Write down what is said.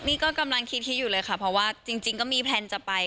นี่ก็กำลังคิดอยู่เลยค่ะเพราะว่าจริงก็มีแพลนจะไป